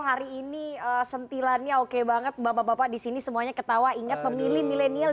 hari ini sentilannya oke banget bapak bapak di sini semuanya ketawa ingat pemilih milenial